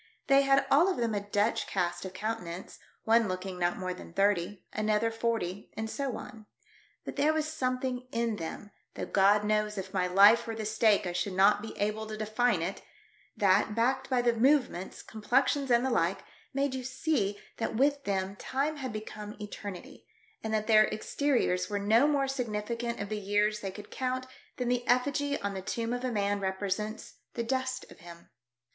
They had all of them a Dutch cast of countenance, one look ing not more than thirty, another forty, and so on. But there was something in them — though God knows if my life were the stake I should not be able to define it — that, backed by the movements, complexions and the like, made you see that with them time had be come eternity, and that their exteriors were no more significant of the years they could count than the effigy on the tomb of a man represents the dust of him.